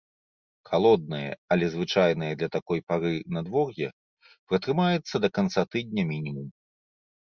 Халоднае, але звычайнае для такой пары надвор'е, пратрымаецца да канца тыдня мінімум.